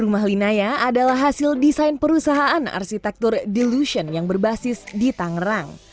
rumah linaya adalah hasil desain perusahaan arsitektur delusion yang berbasis di tangerang